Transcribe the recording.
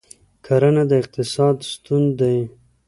کرهڼه د اقتصاد ستون دی